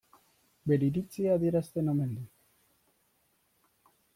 Bere iritzia adierazten omen du.